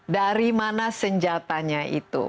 dari mana senjatanya itu